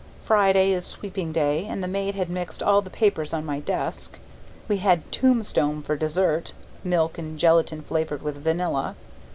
Friday is sweeping day, and the maid had mixed all the papers on my desk. We had tombstone for dessert (milk and gelatin flavoured with vanilla).